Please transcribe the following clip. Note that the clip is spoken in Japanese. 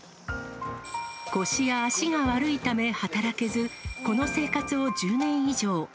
腰や足が悪いため働けず、この生活を１０年以上。